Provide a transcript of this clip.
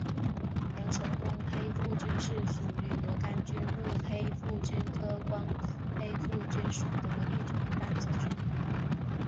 阳城光黑腹菌是属于牛肝菌目黑腹菌科光黑腹菌属的一种担子菌。